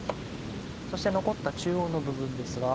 そして残った中央の部分ですが。